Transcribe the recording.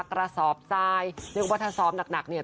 กระซอบซ่ายเรียกว่าถ้าซ้อมหนักเนี่ย